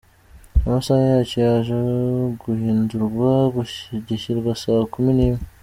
Amasaha yacyo yaje guhindurwa gishyirwa saa kumi n’imwe.